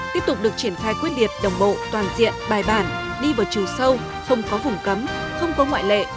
tiếp tục được triển khai quyết liệt đồng bộ toàn diện bài bản đi vào chiều sâu không có vùng cấm không có ngoại lệ